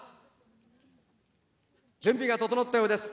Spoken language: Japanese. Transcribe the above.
準備が整ったようです。